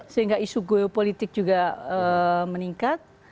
sehingga isu geopolitik juga meningkat